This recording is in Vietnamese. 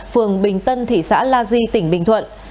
phường bình tân thị xã la di tỉnh bình thuận